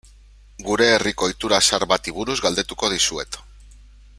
Gure herriko ohitura zahar bati buruz galdetuko dizuet.